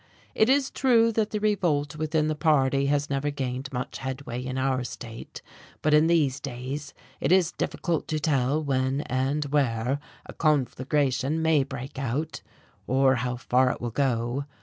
It is true that the revolt within the party has never gained much headway in our state, but in these days it is difficult to tell when and where a conflagration may break out, or how far it will go.